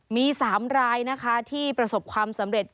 มี๓รายนะคะที่ประสบความสำเร็จ